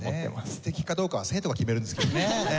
素敵かどうかは生徒が決めるんですけどね。